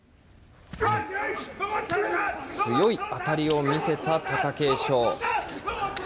強い当たりを見せた貴景勝。